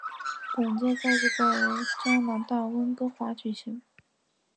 本届赛事在加拿大温哥华举行。